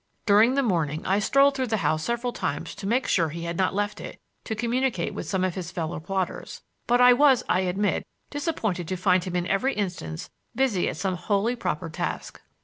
During the morning I strolled through the house several times to make sure he had not left it to communicate with some of his fellow plotters, but I was, I admit, disappointed to find him in every instance busy at some wholly proper task.